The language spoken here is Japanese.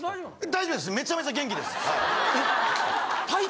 大丈夫です。